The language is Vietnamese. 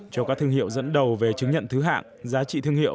cho các thương hiệu dẫn đầu về chứng nhận thứ hạng giá trị thương hiệu